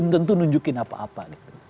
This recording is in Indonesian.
tentu nunjukkan apa apa